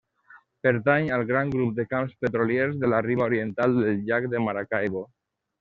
Pertany al gran grup de camps petroliers de la riba oriental del llac de Maracaibo.